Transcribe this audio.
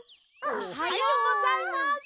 おはようございます。